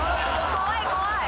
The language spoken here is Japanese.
怖い怖い！